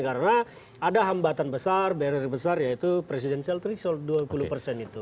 karena ada hambatan besar barrier besar yaitu presidential threshold dua puluh persen itu